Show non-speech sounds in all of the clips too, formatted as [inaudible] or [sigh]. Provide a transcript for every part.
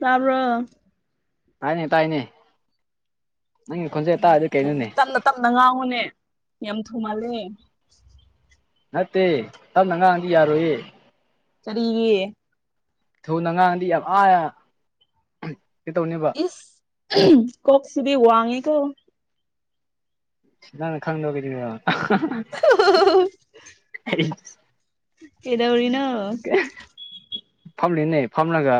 ꯇꯥꯕ꯭ꯔꯣ ꯇꯥꯏꯅꯦ ꯇꯥꯏꯅꯦ ꯅꯪꯒꯤ ꯈꯣꯟꯖꯦꯜ ꯇꯥꯗꯗꯤ ꯀꯩꯅꯣꯅꯦ ꯇꯝꯅ ꯇꯝꯅ ꯉꯥꯡꯉꯨꯅꯦ ꯌꯥꯝ ꯊꯨ ꯃꯥꯜꯂꯦ ꯅꯠꯇꯦ ꯇꯞꯅ ꯉꯥꯡꯉꯗꯤ ꯌꯥꯔꯣꯏꯌꯦ ꯀꯔꯤꯒꯤ ꯊꯨꯅ ꯉꯥꯡꯑꯗꯤ ꯌꯥꯝ ꯑꯥ ꯀꯩꯇꯧꯅꯦꯕ [unintelligible] ꯀꯣꯛꯁꯤꯗꯤ ꯋꯥꯡꯉꯤꯀꯣ ꯅꯪꯅ ꯈꯪꯗꯕꯒꯤ [unintelligible] [unintelligible] [unintelligible] ꯀꯩꯗꯧꯔꯤꯅꯣ [unintelligible] ꯐꯝꯂꯤꯅꯦ ꯐꯝꯂꯒ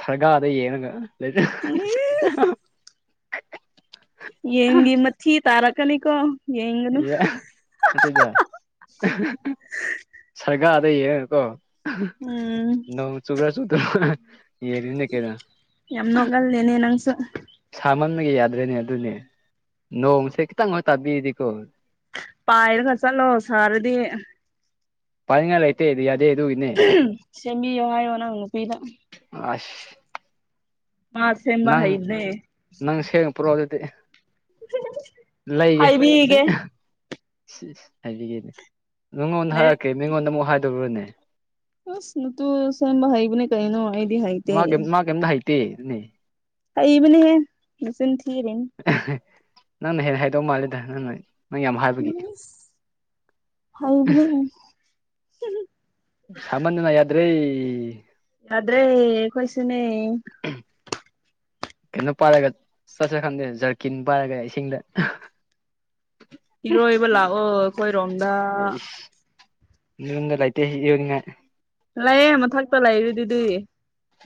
ꯁꯔꯒꯥꯥꯔꯗ ꯌꯦꯡꯉꯒ ꯂꯩ [unintelligible] [unintelligible] ꯌꯦꯟꯒꯤ ꯃꯥꯊꯤ ꯇꯥꯔꯛꯀꯅꯤꯀꯣ ꯌꯦꯡꯒꯅꯨ ꯑꯦ ꯅꯠꯇꯦꯗ ꯁꯥꯒꯥꯗ ꯌꯦꯡꯉꯒꯀꯣ ꯎꯝ ꯅꯣꯡ ꯆꯨꯕ꯭ꯔꯥ ꯆꯨꯗꯕ꯭ꯔ ꯌꯦꯡꯔꯤꯅꯦ ꯀꯩꯅꯣ ꯌꯥꯝ ꯅꯣꯛꯍꯟꯂꯦꯅꯦ ꯅꯪꯁꯨ ꯁꯥꯃꯟꯕꯒꯤ ꯌꯥꯗ꯭ꯔꯦꯅꯦ ꯑꯗꯨꯅꯦ ꯅꯣꯡꯁꯦ ꯈꯤꯇꯪꯒ ꯇꯥꯕꯤꯔꯗꯤꯀꯣ ꯄꯥꯏꯔꯒ ꯆꯠꯂꯣ ꯁꯥꯔꯗꯤ ꯄꯥꯏꯅꯤꯡꯉꯥꯏ ꯂꯩꯇꯦ ꯔꯤꯌꯥꯗꯦ ꯑꯗꯨꯒꯤꯅꯦ ꯁꯦꯝꯕꯤꯌꯣ ꯍꯥꯏꯌꯣ ꯅꯪ ꯅꯨꯄꯤꯗ ꯑꯁ ꯃꯥ ꯁꯦꯝꯕ ꯅꯪ ꯍꯩꯕꯅꯦ ꯅꯪ ꯁꯦꯡꯅ ꯄꯨꯔꯛꯑꯣ ꯑꯗꯨꯗꯤ [unintelligible] ꯂꯩꯒꯦ ꯍꯥꯏꯕꯤꯒꯦ [unintelligible] ꯍꯥꯏꯕꯤꯒꯦꯅꯦ ꯅꯪꯉꯣꯟꯗ ꯍꯥꯏꯔꯛ ꯂꯥꯏꯔꯤꯛ ꯀꯩ ꯃꯤꯉꯣꯟꯗ ꯑꯃꯨꯛ ꯍꯥꯏꯗꯧꯕ꯭ꯔꯅꯦ ꯑꯁ ꯅꯇꯨꯗꯣ ꯁꯦꯝꯕ ꯍꯩꯕꯅꯦ ꯀꯩꯅꯣ ꯑꯩ ꯃꯥꯀꯩꯝ ꯃꯥ ꯀꯩꯝꯗ ꯍꯩꯇꯦꯅꯦ ꯍꯩꯕꯅꯦꯍꯦ ꯃꯆꯤꯟ ꯊꯤꯔꯤꯅꯤ ꯅꯪꯅ ꯍꯦꯟꯅ ꯍꯩꯗꯧ ꯃꯥꯟꯂꯦꯗ ꯅꯪꯅ ꯅꯪ ꯌꯥꯝ ꯍꯥꯏꯕꯒꯤ ꯏꯁ ꯍꯩꯕꯅꯦ ꯁꯥꯃꯟꯗꯅ ꯌꯥꯗ꯭ꯔꯦ ꯌꯥꯗ꯭ꯔꯦ ꯑꯈꯣꯏꯁꯨꯅꯦ ꯀꯩꯅꯣ ꯄꯥꯏꯔꯒ ꯆꯠꯁꯤꯔ ꯈꯪꯗꯦ ꯖꯔꯀꯤꯟ ꯄꯥꯏꯔꯒ ꯏꯁꯤꯡꯗ ꯏꯔꯣꯏꯕ ꯂꯥꯛꯑꯣ ꯑꯩꯈꯣꯏꯔꯣꯝꯗ ꯅꯣꯏꯔꯣꯝꯗ ꯂꯩꯇꯦ ꯏꯔꯣꯏꯅꯤꯉꯥꯏ ꯂꯩꯌꯦ ꯃꯊꯛꯇ ꯂꯩꯔꯤꯗꯨꯗꯤ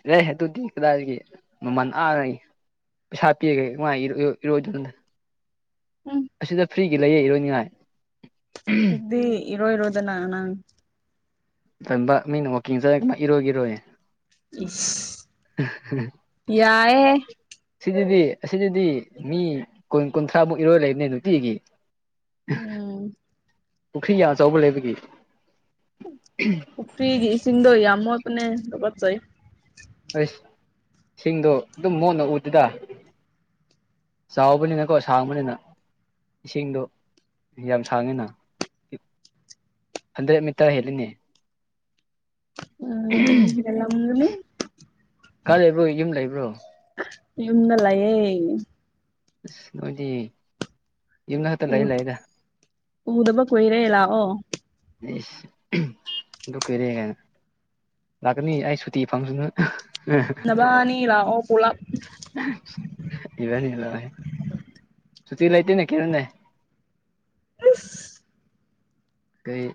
ꯂꯩ ꯑꯗꯨꯗꯤ ꯀꯗꯥꯏꯗꯒꯤ ꯃꯃꯜ ꯑꯥꯅ ꯄꯩꯁꯥ ꯄꯤꯔꯒ ꯀꯃꯥꯏ ꯏꯔꯣ ꯏꯔꯣꯏꯗꯣꯏꯅꯣꯗ ꯎꯝ ꯑꯁꯤꯗ ꯐ꯭ꯔꯤꯒꯤ ꯂꯩꯌꯦ ꯏꯔꯣꯏꯅꯤꯉꯥꯏ ꯑꯗꯨꯗꯤ ꯏꯔꯣꯏꯔꯣꯗꯅꯥ ꯅꯪ ꯇꯟꯕ ꯃꯤꯅ ꯋꯀꯤꯡ ꯆꯠꯂ ꯀꯃꯥꯏ ꯏꯔꯣꯏꯒꯦꯔꯣ ꯑꯩ ꯏꯁ ꯌꯥꯏꯍꯦ [inaudible] ꯁꯤꯗꯗꯤ ꯑꯁꯤꯗꯗꯤ ꯃꯤ ꯀꯨꯟ ꯀꯨꯟꯊ꯭ꯔꯥꯃꯨꯛ ꯏꯔꯣꯏ ꯂꯩꯕꯅꯦ ꯅꯨꯡꯇꯤꯒꯤ ꯎꯝ ꯄꯨꯈ꯭ꯔꯤ ꯌꯥꯝꯆꯧꯕ ꯂꯩꯕꯒꯤ ꯄꯨꯈ꯭ꯔꯤꯒꯤ ꯏꯁꯤꯡꯗꯣ ꯌꯥꯝ ꯃꯣꯠꯄꯅꯦ ꯇꯨꯀꯠꯆꯩ ꯑꯁ ꯁꯤꯡꯗꯣ ꯑꯗꯨꯝ ꯃꯣꯠꯅ ꯎꯗꯦꯗ ꯆꯥꯎꯕꯅꯤꯅꯀꯣ ꯁꯥꯡꯕꯅꯤꯅ ꯏꯁꯤꯡꯗꯣ ꯌꯥꯝ ꯁꯥꯡꯉꯤꯅ ꯍꯟꯗ꯭ꯔꯦꯠ ꯃꯤꯇꯔ ꯍꯦꯜꯂꯤꯅꯦ ꯎꯝ ꯍꯦꯜꯂꯝꯃꯅꯤ ꯀꯥꯏ ꯂꯩꯕ꯭ꯔꯣ ꯌꯨꯝ ꯂꯩꯕ꯭ꯔꯣ ꯌꯨꯝꯗ ꯂꯌꯦ ꯑꯁ ꯅꯣꯏꯗꯤ ꯌꯨꯝꯗ ꯈꯛꯇ ꯎ ꯂꯩ ꯂꯩꯏꯗ ꯎꯗꯕ ꯀꯨꯏꯔꯦ ꯂꯥꯛꯑꯣ ꯑꯦꯁ ꯎꯗ ꯀꯨꯏꯔꯦ ꯒꯥꯏꯅ ꯂꯥꯛꯀꯅꯤ ꯑꯩ ꯁꯨꯇꯤ ꯐꯪꯁꯨꯅ ꯅꯕꯥꯅꯤ ꯂꯥꯛꯑꯣ ꯄꯨꯂꯞ ꯏꯕꯅꯤ ꯂꯥꯎꯌꯦ ꯁꯨꯇꯤ ꯂꯩꯇꯦꯅꯦ ꯀꯩꯅꯣꯅꯦ ꯑꯁ ꯀꯩ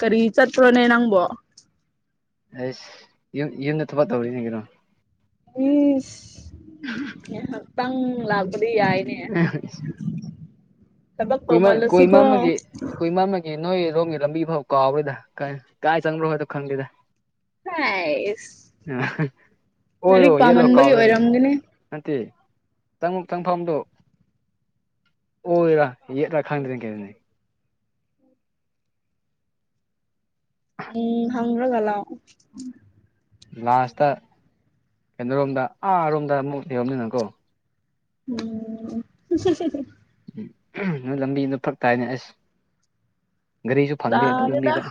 ꯀꯔꯤ ꯆꯠꯄ꯭ꯔꯣꯅꯦ ꯅꯪꯕꯣ ꯑꯩꯁ ꯌꯨꯝ ꯌꯨꯝꯗ ꯊꯕꯛ ꯇꯧꯔꯤꯅꯦ ꯀꯩꯅꯣ ꯉꯥꯇꯪ ꯂꯛꯕꯗꯤ ꯌꯥꯏꯌꯦꯅꯦ [unintelligible] ꯊꯕꯛ ꯀꯨꯏꯃꯟ ꯀꯨꯏꯃꯟꯕꯒꯤ ꯇꯧꯃꯜꯂꯁꯨꯀꯣ ꯀꯨꯏꯃꯟꯕꯥ ꯑꯦ ꯅꯣꯏꯔꯣꯝꯒꯤ ꯂꯝꯕꯤ ꯐꯥꯎ ꯀꯥꯎꯔꯣꯏꯗ ꯀꯔ ꯀꯥꯏ ꯆꯪꯕ꯭ꯔꯣ ꯍꯥꯏꯗꯣ ꯈꯪꯗꯦꯗ ꯍꯁ [unintelligible] ꯑꯣꯏꯔꯣ ꯌꯦꯂꯣ ꯄꯥꯝꯃꯟꯕꯒꯤ ꯀꯥꯎꯔꯦꯅꯦ ꯑꯣꯏꯔꯝꯒꯅꯤ ꯅꯠꯇꯦ ꯆꯪꯉꯨꯛ ꯆꯪꯐꯝꯗꯣ ꯑꯣꯏꯔꯥ ꯉꯦꯠꯂꯥꯥ [unintelligible] ꯎꯝ ꯍꯪ꯭ꯗꯔꯒ [unintelligible] ꯂꯥꯁꯇ ꯀꯩꯅꯣꯔꯣꯝꯗ ꯑꯥꯔꯣꯝꯗ ꯑꯃꯨꯛ ꯂꯩꯔꯝꯅꯤꯅꯪꯀꯣ ꯎꯝ [unintelligible] ꯎꯝ ꯅꯣꯏ ꯂꯝꯕꯤꯗꯣ ꯐꯛꯇꯥꯏꯅꯦ ꯑꯁ ꯒꯥꯔꯤꯁꯨ ꯐꯪꯗꯦ ꯌꯥꯔꯦꯗ ꯑꯗꯨꯃꯤꯗ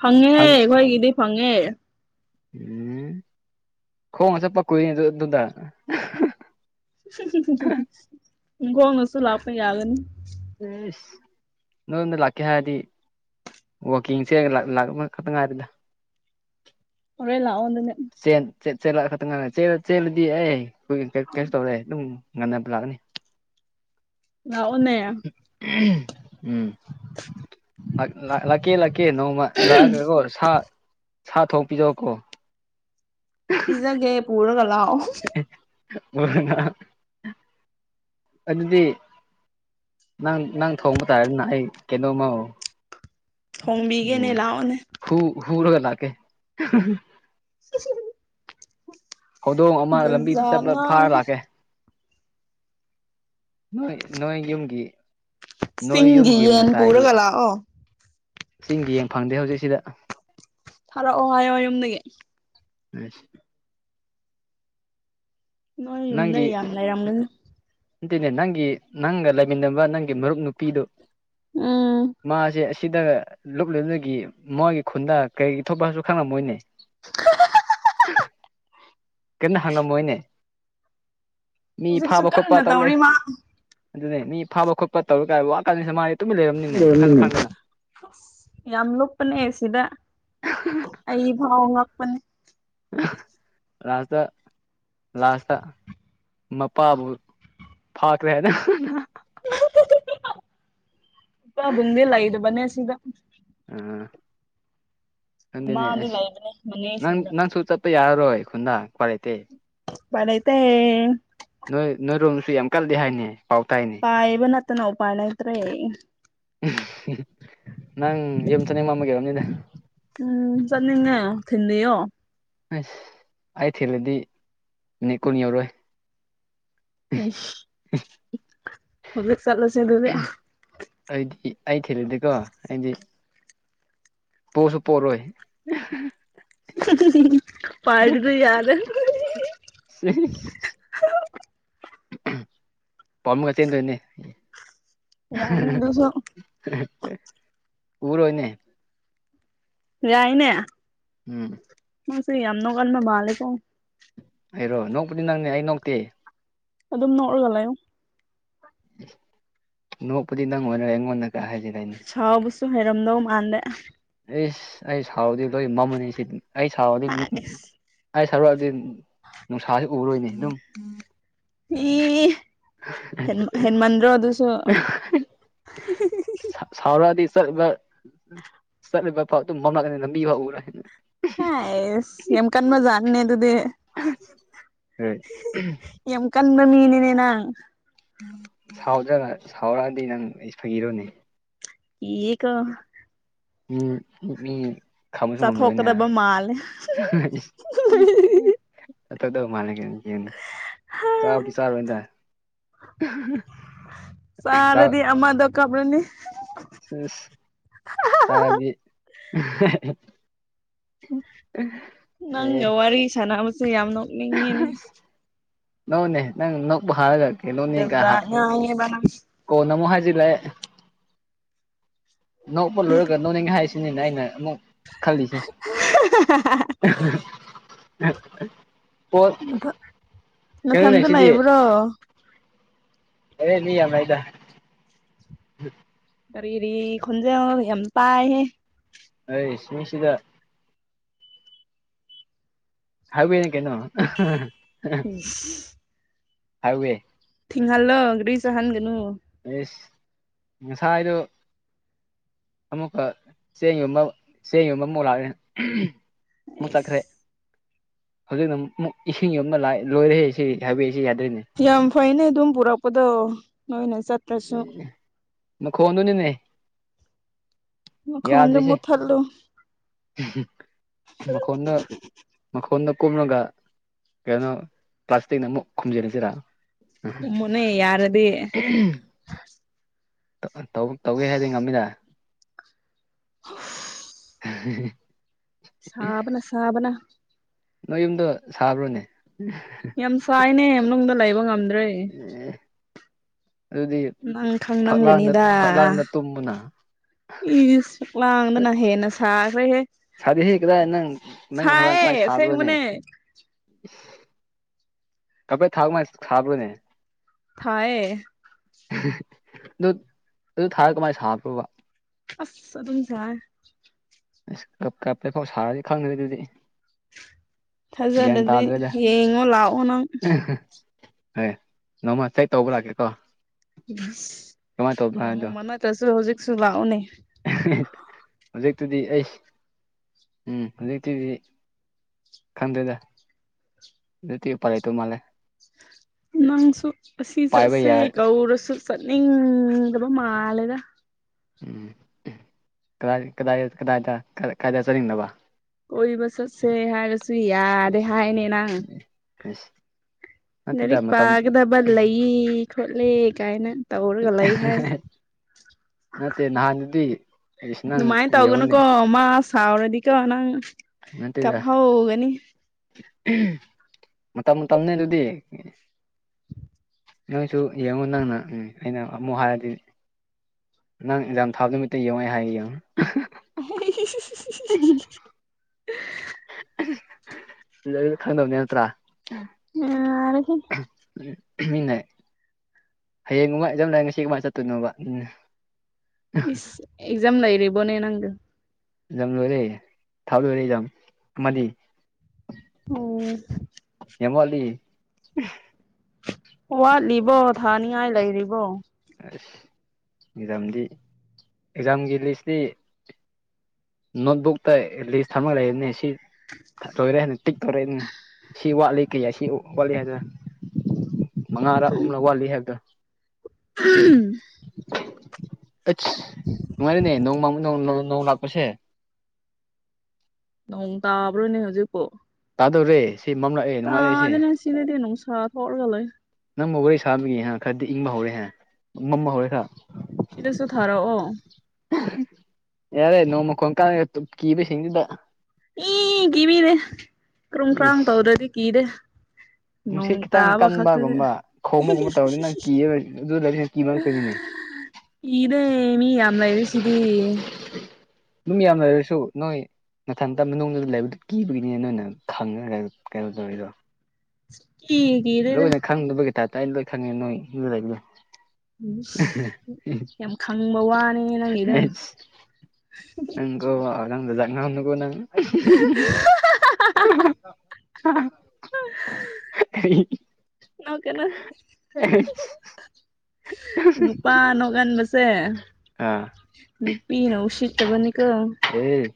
ꯐꯪꯉꯦꯍꯦ ꯐꯪ ꯑꯩꯈꯣꯏꯒꯤꯗꯤ ꯐꯪꯉꯦ ꯎꯝ ꯈꯣꯡꯅ ꯆꯄ ꯀꯨꯏꯌꯦ ꯑꯗꯨ ꯑꯗꯨꯗꯥ [unintelligible] ꯅꯤꯡꯒꯣꯡꯅꯁꯨ ꯂꯛꯄ ꯌꯥꯒꯅꯤ [unintelligible] ꯅꯣꯏ ꯂꯀꯦ ꯍꯥꯏꯗꯤ ꯋꯥꯈꯤꯡꯁꯦ ꯂꯥꯛ ꯂꯥꯛ [unintelligible] ꯈꯠꯇꯥ ꯉꯥꯏꯔꯦꯗ ꯍꯣꯔꯦꯟ ꯂꯥꯛꯑꯣ ꯑꯗꯨꯗꯤ ꯆꯦꯜ ꯆꯦꯜ ꯆꯦꯜꯂ ꯈꯛꯇꯪ ꯉꯥꯢ ꯆꯦꯜ ꯆꯦꯜꯂꯗꯤ ꯑꯩ [unintelligible] ꯂꯥꯛꯑꯣꯅꯦ [unintelligible] ꯎꯝ ꯂꯥꯛ ꯂꯥꯛ ꯂꯥꯛꯀꯦ ꯂꯥꯛꯀꯦ ꯅꯣꯡꯃ ꯂꯥꯛꯑꯒꯀꯣ ꯁꯥ ꯁꯥ ꯊꯣꯡ ꯄꯤꯖꯧꯀꯣ ꯁꯤꯖꯒꯦ ꯄꯨꯔꯒ ꯂꯥꯛꯑꯣ [unintelligible] [unintelligible] ꯑꯗꯨꯗꯤ ꯅꯪ ꯅꯪ ꯊꯣꯡꯕ ꯇꯥꯔꯅꯤꯅ ꯑꯩ ꯀꯩꯅꯣꯝꯃ ꯎꯝ ꯊꯣꯡꯕꯤꯒꯦꯅꯦ ꯂꯥꯛꯑꯣꯅꯦ ꯍꯨ ꯍꯨꯔꯒ ꯂꯥꯛꯀꯦ ꯍꯧꯗꯣꯡ ꯑꯃ ꯂꯝꯕꯤꯗ ꯆꯠꯄ ꯐꯥꯔ ꯂꯥꯛꯀꯦ [unintelligible] ꯅꯣꯏ ꯅꯣꯏ ꯌꯨꯝꯒꯤ ꯅꯣꯏ ꯆꯤꯡꯒꯤ ꯌꯨꯝꯒꯤ ꯌꯦꯟ ꯃꯇꯥꯏꯒꯤ ꯄꯨꯔꯒ ꯂꯥꯛꯑꯣ ꯆꯤꯡꯒꯤ ꯌꯦꯡ ꯐꯪꯗꯦ ꯍꯧꯖꯤꯛ ꯁꯤꯗ ꯊꯥꯔꯛꯑꯣ ꯍꯥꯏꯌꯣ ꯌꯨꯝꯗꯒꯤ [unintelligible] ꯅꯣꯏ ꯌꯨꯝꯗ ꯅꯪꯒꯤ ꯌꯥꯝ ꯂꯩꯔꯝꯒꯅꯤ ꯅꯇꯦꯅꯦ ꯅꯪꯒꯤ ꯅꯪꯒ ꯂꯩꯃꯤꯟꯅꯕ ꯅꯪꯒꯤ ꯃꯔꯨꯞ ꯅꯨꯄꯤꯗꯨ ꯎꯝ ꯃꯥꯖꯦ ꯑꯁꯤꯗ [unintelligible] ꯃꯣꯏꯒꯤ ꯈꯨꯟꯗ ꯀꯔꯤ ꯊꯣꯛꯄꯁꯨ ꯈꯪꯉꯝꯃꯣꯏꯅꯦ [unintelligible] [unintelligible] ꯀꯟꯅ ꯍꯪꯉꯝꯃꯣꯏꯅꯦ ꯃꯤ ꯍꯧꯖꯤꯛꯁꯨ ꯐꯥꯕ ꯈꯣꯠꯄ ꯀꯟꯅ ꯇꯧꯂꯩ ꯇꯧꯔꯤ ꯃꯥ ꯑꯗꯨꯅꯦ ꯃꯤ ꯐꯥꯕ ꯈꯣꯠꯄ ꯇꯧꯔ [unintelligible] ꯋꯥꯈꯟꯁꯦꯅ ꯃꯥ [unintelligible] ꯑꯁ ꯌꯥꯝ ꯂꯨꯞꯄꯅꯦ ꯁꯤꯗ ꯑꯩ ꯐꯥꯎ ꯉꯛꯄꯅꯦ ꯂꯥꯁꯇ ꯂꯥꯁꯇ ꯃꯄꯥꯕꯨ ꯐꯥꯈ꯭ꯔꯦ ꯍꯥꯏꯅ [unintelligible] ꯆꯕꯝꯗꯤ ꯂꯩꯔꯕꯅꯦ ꯁꯤꯗ ꯑ ꯑꯗꯨꯅꯦ ꯃꯃꯥꯗꯤ ꯑꯁ ꯂꯩꯕꯅꯦ ꯅꯪ ꯃꯅꯦꯁꯤꯡꯗ ꯅꯪꯁꯨ ꯆꯠ ꯄ ꯌꯥꯔꯔꯣꯏ ꯈꯨꯟꯗꯥ ꯎꯄꯥꯏ ꯂꯩꯇꯦ ꯎꯄꯥꯏ ꯂꯩꯇꯦ ꯅꯣꯏ ꯅꯣꯏꯔꯣꯝꯁꯨ ꯌꯥꯝ ꯀꯜꯂꯤ ꯍꯥꯏꯅꯦ ꯄꯥꯎ ꯇꯥꯏꯅꯦ ꯄꯥꯏꯕ ꯅꯠꯇꯅ ꯎꯄꯥꯏ ꯂꯩꯇꯔꯦ ꯅꯪ ꯌꯨꯝ ꯆꯠꯅꯤꯡꯃꯟꯕꯒꯤ ꯑꯣꯏꯔꯝꯅꯤꯗ ꯎꯝ ꯆꯠꯅꯤꯡꯉꯦ ꯊꯤꯟꯕꯤꯌꯣ ꯑꯁ ꯑꯩ ꯊꯤꯜꯂꯗꯤ ꯃꯤꯅꯠ ꯀꯨꯟ ꯌꯧꯔꯣꯏ ꯏꯁ ꯍꯧꯖꯤꯛ ꯆꯠꯂꯁꯤ ꯑꯗꯨꯗꯤ ꯑꯩꯗꯤ ꯑꯩ ꯊꯤꯜꯂꯗꯤꯀꯣ ꯍꯥꯏꯗꯤ ꯄꯣꯁꯨ ꯄꯣꯔꯣꯏ ꯄꯥꯏꯕꯗꯨ ꯌꯥꯗꯦ [unintelligible] ꯄꯝꯃꯒ ꯆꯦꯟꯗꯣꯏꯅꯦ ꯌꯥꯏꯅꯦ ꯑꯗꯨꯁꯨ ꯄꯨꯔꯣꯏꯅꯦ ꯌꯥꯏꯅꯦ ꯎꯝ ꯅꯪꯁꯦ ꯌꯥꯝ ꯅꯣꯛꯒꯟꯕ ꯃꯥꯥꯜꯂꯦꯀꯣ ꯑꯩꯔꯣ ꯅꯣꯛꯄꯗꯤ ꯅꯪꯅꯦ ꯑꯩ ꯅꯣꯛꯇꯦ ꯑꯗꯨꯝ ꯅꯣꯛꯔꯒ ꯂꯩꯌꯨ ꯅꯣꯛꯄꯗꯤ ꯅꯪ ꯑꯣꯏꯔꯦ ꯑꯩꯉꯣꯟꯗꯒ ꯍꯥꯏꯖꯤꯟꯅꯩꯅꯦ ꯁꯥꯎꯕꯁꯨ ꯍꯩꯔꯝꯗꯧ ꯃꯥꯟꯗꯦ ꯏꯁ ꯑꯩ ꯁꯥꯎꯔꯗꯤ ꯂꯣꯏ ꯃꯝꯃꯅꯤ ꯁꯤ ꯑꯩ ꯁꯥꯎꯔꯗꯤ ꯑꯦꯛꯁ ꯑꯩ ꯁꯥꯎꯔꯛꯑꯗꯤ ꯅꯨꯡꯁꯥꯁꯤ ꯎꯔꯔꯣꯏꯅꯦ ꯑꯗꯨꯝ ꯏ ꯍꯦꯟꯃꯟꯗ꯭ꯔꯣ ꯑꯗꯨꯁꯨ [unintelligible] ꯁ ꯁꯥꯎꯔꯛꯑꯗꯤ ꯆꯠꯄ ꯆꯠꯂꯤꯕ ꯄꯥꯛꯇꯨꯝ ꯃꯝꯔꯒꯅꯤ ꯂꯝꯕꯤꯕꯥꯎ ꯎꯔꯣꯏ ꯍꯥꯏꯁ ꯌꯥꯝ ꯀꯥꯟꯕꯖꯠꯅꯤꯅꯦ ꯗꯨꯗꯤ ꯌꯥꯝ ꯀꯟꯕ ꯃꯤꯅꯤꯅꯦ ꯅꯪ ꯁꯥꯎꯗꯔꯒ ꯁꯥꯎꯔꯛꯑꯗꯤ ꯅꯪ ꯏꯁ ꯐꯒꯤꯔꯣꯅꯦ ꯀꯤꯌꯦ ꯀꯣ ꯎꯝ ꯎ ꯃꯤ ꯈꯪꯕꯁꯨ ꯉꯝꯔꯣꯏꯅꯦ ꯆꯥꯊꯣꯛꯀꯗꯕ ꯃꯥꯜꯂꯦ ꯏꯁ ꯆꯠꯊꯗꯧ ꯃꯥꯜꯂꯒꯦ ꯌꯦꯅꯤ ꯍ ꯆꯥꯔꯗꯤ ꯑꯃꯗꯣ ꯀꯞꯔꯅꯤ ꯁꯤꯏꯁ ꯆꯔꯥꯗꯤ [unintelligible] ꯅꯪꯒ ꯋꯥꯔꯤ ꯁꯥꯟꯅꯕꯁꯦ ꯌꯥꯝ ꯅꯣꯛ ꯅꯣꯛꯎꯅꯦ ꯅꯪ ꯅꯣꯛꯄ ꯍꯥꯔꯒꯦ ꯀꯩꯅꯣꯅꯦ ꯖꯥꯠ ꯒꯥ ꯍꯥ ꯖꯥꯠ ꯉꯥꯡꯉꯦꯕ ꯅꯪ ꯀꯣꯟꯅ ꯃꯨꯛ ꯍꯥꯏꯖꯤꯜꯂꯦ ꯅꯣꯛꯄ ꯂꯣꯏꯔꯒ ꯅꯣꯡꯅꯤꯡ ꯍꯥꯏꯁꯤ ꯅꯥꯏꯅ ꯑꯃꯛ [unintelligible] [unintelligible] ꯑꯣ ꯃꯊꯟꯗ ꯂꯩꯕ꯭ꯔꯣ ꯑꯦ ꯃꯤ ꯌꯥꯝ ꯂꯩꯗ ꯀꯔꯤꯔꯤ ꯈꯣꯟꯟꯖꯦꯜ ꯌꯥꯝ ꯇꯥꯏꯍꯦ ꯑꯩ ꯁꯤꯃꯤꯁꯤꯗ ꯍꯥꯏ ꯋꯦꯅꯦ ꯀꯩꯅꯣ [inaudible] ꯍꯥꯏꯋꯦ ꯊꯤꯡꯍꯜꯂꯣꯒ꯭ꯔꯤ ꯆꯍꯟꯒꯅꯨ ꯑꯦꯁ ꯉꯁꯥꯏꯗꯣ ꯑꯃꯨꯛꯀ ꯆꯦꯡ ꯌꯣꯟꯕ ꯆꯦꯡ ꯌꯣꯟꯕ ꯑꯃꯨꯛ ꯂꯥꯛꯑꯦ ꯑꯃꯨꯛ ꯆꯠꯈ꯭ꯔꯦ ꯑꯩꯁ ꯍꯧꯖꯤꯛꯅ ꯑꯃꯨꯛ ꯏꯁꯤꯡ ꯌꯣꯟꯕ ꯂꯥꯏ ꯂꯣꯏꯔꯦ ꯁꯤ ꯍꯥꯏꯕꯤꯁꯤ ꯌꯥꯗ꯭ꯔꯦꯅꯦ ꯌꯥꯝ ꯐꯩꯅꯦ ꯑꯗꯨꯝ ꯄꯨꯔꯛꯄꯗꯣ ꯅꯣꯏꯅ ꯆꯠ ꯃ ꯈꯣꯟꯗꯨꯅꯤꯅꯦ ꯃꯈꯣꯟꯗꯣ ꯌꯥꯗ꯭ꯔꯤꯁꯦ ꯃꯨꯠꯊꯠꯂꯨ ꯃꯈꯣꯟꯅ ꯃꯈꯣꯟꯗ ꯀꯨꯝꯂꯒ ꯀꯩꯅꯣ ꯄ꯭ꯂꯥꯁꯇꯤꯛꯅ ꯑꯃꯨꯛ ꯈꯨꯝꯖꯤꯔꯨꯁꯤꯔꯥ ꯈꯨꯝꯃꯨꯅꯦ ꯌꯥꯔꯗꯤ [unintelligible] ꯇꯧꯒꯦ ꯍꯥꯏꯗꯤ ꯉꯝꯅꯤꯗ [unintelligible] [unintelligible] ꯁꯥꯕꯅ ꯁꯥꯕꯅ ꯅꯣꯏ ꯌꯨꯝꯗꯣ ꯁꯥꯕ꯭ꯔꯣꯅꯦ ꯌꯥꯝ ꯁꯥꯏꯅꯦ ꯃꯅꯨꯡꯗ ꯂꯩꯕ ꯉꯝꯗ꯭ꯔꯦ ꯑꯦ ꯑꯗꯨꯗꯤ ꯅꯪ ꯐꯛꯂꯥꯡꯗ ꯈꯪꯂꯝꯒꯅꯤꯗ ꯐꯛꯂꯥꯡꯗ ꯇꯨꯝꯃꯨꯅ ꯏꯁ ꯁꯨꯛꯂꯥꯡꯗꯅ ꯍꯦꯟꯅ ꯁꯥꯈ꯭ꯔꯦꯍꯦ ꯁꯥꯗꯦꯍꯦ ꯀꯗꯥꯏ ꯅꯪ ꯅꯪꯒꯤ ꯍꯕꯥꯥꯡ ꯁꯥꯏꯌꯦ ꯀꯃꯥꯏ ꯁꯥꯕꯔꯣꯅꯦ ꯑꯁꯦꯡꯕꯅꯦ ꯀꯥꯔꯄꯦꯠ ꯊꯥꯎꯃꯥꯏ ꯊꯥꯕꯔꯣꯅꯦ ꯊꯥꯏꯌꯦ ꯑꯗꯨ ꯑꯗꯨ ꯊꯥꯔ ꯀꯃꯥꯏꯅ ꯁꯥꯕꯔꯣꯕ ꯑꯁ ꯑꯗꯨꯝ ꯁꯥ ꯑ ꯀ ꯀꯞꯄꯦꯀꯣ ꯁꯥꯔꯗꯤ ꯈꯪꯗ꯭ꯔꯦ ꯑꯗꯨꯗꯤ ꯒ꯭ꯌꯥꯟ ꯊꯥꯖꯔꯗꯤ ꯇꯥꯗ꯭ꯔꯦꯗ ꯌꯦꯡꯉꯣ ꯂꯥꯛꯑꯣ ꯅꯪ ꯍꯣꯏ ꯅꯣꯡꯃ ꯆꯦꯛ ꯇꯧꯕ ꯂꯥꯛꯀꯦꯀꯣ ꯀꯃꯥꯏꯅ ꯇꯧꯕꯅꯣ ꯍꯥꯏꯕꯗꯣ ꯅꯣꯡꯃ ꯅꯠꯇ꯭ꯔꯁꯨ ꯍꯨꯖꯤꯛꯁꯨ ꯂꯥꯛꯎꯅꯦ ꯍꯧꯖꯤꯛꯇꯨꯗꯤ ꯑꯩ ꯎꯝ ꯍꯧꯖꯤꯛꯇꯨꯗꯤ ꯈꯟꯗꯦꯗ ꯗꯛꯇꯤ ꯎꯄꯥꯏ ꯂꯩꯗꯧ ꯃꯥꯂꯦ ꯅꯪꯁꯨ ꯑꯁꯤ ꯆꯠꯁꯦ ꯌꯥꯔꯦ ꯀꯧꯔꯁꯨ ꯆꯠꯅꯤꯡꯗꯕ ꯃꯥꯜꯂꯦꯗ ꯎꯝ ꯀꯥꯗꯥꯏ ꯀꯗꯥꯏꯗ ꯀꯗꯥꯏꯗ ꯆꯠꯅꯤꯡꯗꯕ ꯀꫭꯏꯕ ꯆꯠꯁꯦ ꯍꯥꯏꯔꯁꯨ ꯌꯥꯗꯦ ꯍꯥꯏꯅꯦ ꯅꯪ ꯑꯁ ꯅꯠꯇꯦꯗ ꯂꯥꯏꯔꯤꯛ ꯃꯇꯝ ꯄꯥꯒꯗꯕ ꯂꯩꯌꯦ ꯈꯣꯠꯂꯤ ꯀꯥꯏꯅ ꯇꯧꯔꯒ ꯂꯩ ꯍꯥꯏ ꯅꯠꯇꯦ ꯅꯍꯥꯟꯗꯨꯗꯤ ꯑꯩꯁꯨ ꯅꯪ ꯌꯦꯡꯎ ꯅꯪꯀꯣ ꯃꯥ ꯁꯥꯎꯔꯗꯤꯀꫭ ꯅꯪ ꯅꯠꯇꯦꯗ ꯀꯥꯞꯍꯧꯒꯅꯤ ꯃꯇꯝ ꯃꯇꯝꯅꯦ ꯑꯗꯨꯗꯤ ꯅꯪꯁꯨ ꯌꯦꯡꯉꯨ ꯅꯪꯅ ꯎꯝ ꯑꯩꯅ ꯑꯃꯨꯛ ꯍꯥꯏꯔꯗꯤ ꯅꯪ ꯑꯦꯛꯖꯥꯝ ꯊꯥꯕ ꯅꯨꯃꯤꯠꯇ ꯌꯦꯡꯉꯨ ꯑꯩ ꯍꯥꯏꯒꯦ ꯌꯦꯡꯉꯨ [inaudible] [unintelligible] ꯈꯪꯗꯕꯅꯦ ꯅꯠꯇ꯭ꯔꯥ ꯌꯥꯔꯦꯍꯦ [unintelligible] ꯍꯌꯦꯡ ꯅꯨꯡꯉꯥꯏ ꯐꯦꯛꯖꯥꯝ ꯂꯩꯔ ꯉꯁꯤ ꯀꯃꯥꯏ ꯆꯠꯇꯣꯏꯅꯣꯕ ꯏꯁ ꯑꯦꯛꯖꯥꯝ ꯂꯩꯔꯤꯕꫭꯅꯦ ꯅꯪꯗꯨ ꯑꯦꯛꯖꯥꯝ ꯂꯣꯏꯔꯦ ꯊꯥꯕ ꯂꫭꯏꯔꯦ ꯑꯦꯛꯖꯥꯝ ꯑꯃꯗꯤ ꯑꯣ ꯌꯥꯝ ꯋꯥꯠꯂꯤ ꯋꯥꯠꯂꯤꯕꯣ ꯊꯥꯅꯤꯡꯉꯥꯏ ꯂꯩꯔꯤꯕꯣ ꯑꯁ ꯑꯦꯛꯖꯥꯝꯗꯤ ꯑꯦꯛꯖꯥꯝꯒꯤ ꯂꯤꯁꯇꯤ ꯅꯣꯠꯕꯨꯛꯇ ꯂꯤꯁ ꯊꯝꯃꯒ ꯂꯩꯕꯅꯦ ꯁꯤ ꯂꯣꯏꯔꯦ ꯇꯤꯛ ꯇꯧꯔꯛꯏ ꯁꯤ ꯋꯥꯠꯂꯤ ꯀꯩ ꯁꯤ ꯋꯥꯠꯂꯤ ꯍꯥꯏꯗ ꯃꯉꯥꯔꯛ ꯑꯍꯨꯝꯂꯛ ꯋꯥꯠꯂꯤ ꯍꯥꯏꯕꯗꯨ [unintelligible] ꯑꯩꯁ ꯅꯨꯡꯉꯥꯏꯔꯅꯦ ꯅꯣꯡꯃ ꯅꯣꯡ ꯂꯥꯛꯄꯁꯦ ꯅꯣꯡ ꯇꯥꯕ꯭ꯔꯣꯅꯦ ꯍꯧꯖꯤꯛꯄꯣ ꯇꯥꯗꯧꯔꯦ ꯁꯤ [unintelligible] ꯁꯤ ꯇꯥꯗꯅ ꯁꯤꯗꯗꯤ ꯅꯨꯡꯁꯥ ꯊꯣꯛꯑ ꯂꯩ ꯅꯪꯕꯨ ꯋꯥꯔꯤ ꯁꯥꯕꯒꯤ ꯈꯔꯗꯤ ꯏꯪꯕ ꯍꯧꯔꯦꯍꯦ ꯑꯃꯨꯛ ꯃꯝꯕ ꯍꯧꯔꯒ ꯁꯤꯗꯁꯨ ꯊꯥꯔꯛꯑꯣ ꯌꯥꯔꯦ ꯅꯣꯡꯃ ꯈꯣꯡ ꯀꯥꯒ ꯀꯤꯕ ꯍꯦꯟꯖꯤꯟꯗ ꯏ ꯀꯤꯕꯤꯗꯦ ꯀ꯭ꯔꯨꯝ ꯀ꯭ꯔꯥꯡ ꯏꯁ ꯇꯧꯗ꯭ꯔꯗꯤ ꯀꯤꯗꯦ ꯅꯣꯡ ꯅꯨꯡꯁꯤꯠ ꯈꯤꯇꯪ ꯇꯥꯕ ꯈꯛꯇꯅꯤ ꯀꯟꯕꯒꯨꯝꯕ ꯈꯣꯡꯕꯒꯨꯝꯕ ꯇꯧꯔꯗꯤ ꯅꯪ ꯀꯤꯔ ꯑꯗꯨ ꯂꯩꯕꯁꯤꯅ ꯀꯤꯕ ꯉꯥꯛꯇꯅꯤꯅꯦ ꯀꯤꯗꯦ ꯃꯤ ꯌꯥꯝꯅ ꯂꯩꯔꯤꯁꯤꯗꯤ ꯃꯤ ꯌꯥꯝ ꯂꯩꯔꯁꯨ ꯅꯣꯏ ꯅꯊꯟꯇ ꯃꯅꯨꯡꯗ ꯂꯩꯕꯗꯨ ꯀꯤꯕꯒꯤꯅꯤꯅꯦ ꯅꯣꯏꯅ ꯈꯪꯉꯒ ꯀꯩꯅꯣ ꯇꯧꯔꯤꯗꯣ ꯁꯨꯛꯀꯤ ꯍꯦꯛ ꯂꯣꯏꯅ ꯈꯪꯗꯕꯒꯤ ꯇꯥꯏꯞꯇ ꯑꯩꯅ ꯂꯣꯏ ꯈꯪꯉꯦ ꯅꯣꯏꯗꯣ ꯎꯝ ꯌꯥꯝ ꯈꯪꯕ ꯋꯥꯅꯤ ꯅꯪꯒꯤꯗꯨ [inaudible] [unintelligible] [unintelligible] ꯀꯩꯅꯣ ꯅꯨꯄꯥ ꯅꯣꯛꯀꯟꯕꯁꯦ ꯑꯥ ꯅꯨꯄꯤꯗꯧ ꯁꯤꯠꯇꯕꯅꯤꯀꯣ ꯑꯦ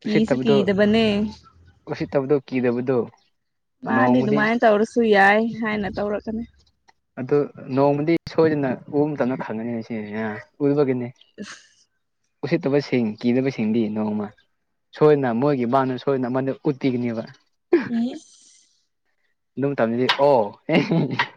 ꯀꯤꯁꯨ ꯀꯤꯗꯕꯅꯤ ꯎꯁꯤꯠꯇꯕꯗꯨ ꯀꯤꯗꯕꯗꯨ ꯃꯥꯗꯤ ꯗꯨꯃꯥꯏꯟ ꯇꯧꯔꯁꯨ ꯌꯥꯏ ꯍꯥꯏꯅ ꯇꯧꯔꯛꯀꯅꯤ ꯑꯗꯨ ꯅꯣꯡꯃꯗꯤ ꯁꯣꯏꯗꯅ ꯎꯝ ꯃꯇꯝꯅ ꯈꯪꯉꯅꯤ ꯑꯁꯤꯅ ꯎꯏꯕꯒꯤꯅꯦ ꯎꯁꯤꯠꯇꯕꯁꯤꯡ ꯀꯤꯗꯕꯁꯤꯡꯗꯤ ꯅꯣꯡꯃ ꯁꯣꯏꯗꯅ ꯃꯣꯏꯒꯤ ꯕꯥꯅ ꯁꯣꯏꯗꯅ ꯃꯗꯨ ꯎꯠꯇꯤꯒꯅꯦꯕ ꯏꯁ ꯗꯨꯝ ꯃꯇꯝꯗꯗꯤ ꯑꯣ